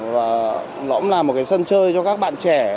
nó cũng là một sân chơi cho các bạn trẻ